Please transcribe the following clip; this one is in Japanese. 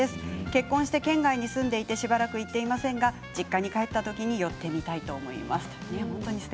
結婚して県外に住んでいてしばらく行っていませんが実家に帰った時に寄ってみたいと思います。